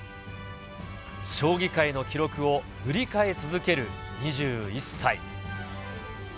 将棋界の記録を塗り替え続ける２１歳。